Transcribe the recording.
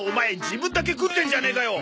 自分だけ食ってんじゃねえかよ！